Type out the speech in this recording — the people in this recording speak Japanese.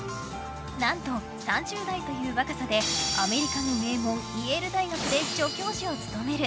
何と３０代という若さでアメリカの名門イェール大学で助教授を務める。